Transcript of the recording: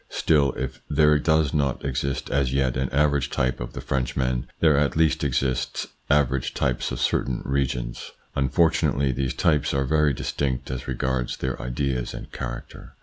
Still, if there does not exist as yet an average type of the Frenchman, there at least exist average types of certain regions. Un fortunately these types are very distinct as regards their ideas and character.